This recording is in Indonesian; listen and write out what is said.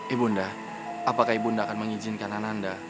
ibu bunda apakah ibu akan mengizinkan ananda